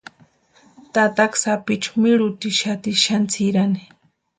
Tataka sapichu mirhutixati xani tsʼirani.